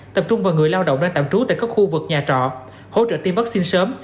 tập trung vào người lao động đang tạm trú tại các khu vực nhà trọ hỗ trợ tiêm vaccine sớm